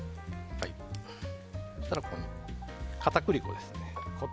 そうしたらここに片栗粉ですね。